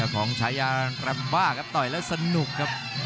ของฉายาแรมบ้าครับต่อยแล้วสนุกครับ